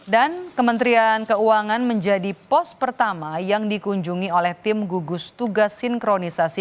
dan kementerian keuangan menjadi pos pertama yang dikunjungi oleh tim gugus tugas sinkronisasi